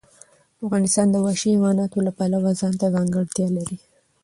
افغانستان د وحشي حیواناتو له پلوه ځانته ځانګړتیا لري.